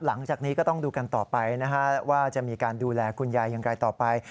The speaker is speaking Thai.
หลังจากนี้ก็ต้องดูกันต่อไปนะฮะว่าจะมีการดูแลคุณยายอย่างไรต่อไป